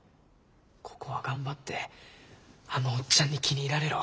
ここは頑張ってあのオッチャンに気に入られろ。